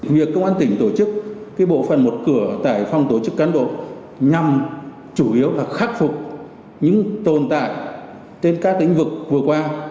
việc công an tỉnh tổ chức bộ phần một cửa tại phòng tổ chức cán bộ nhằm chủ yếu là khắc phục những tồn tại trên các lĩnh vực vừa qua